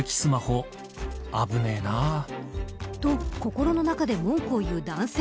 と、心の中で文句を言う男性。